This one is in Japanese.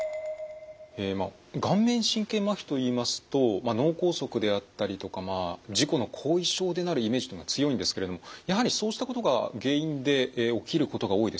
まあ顔面神経まひといいますと脳梗塞であったりとか事故の後遺症でなるイメージというのが強いんですけれどもやはりそうしたことが原因で起きることが多いですか？